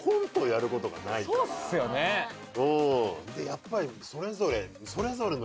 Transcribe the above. やっぱりそれぞれそれぞれの人。